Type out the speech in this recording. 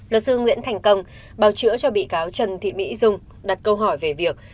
luật sư nguyễn thành công bào chữa cho bị cáo trần thị mỹ dung đặt câu hỏi về việc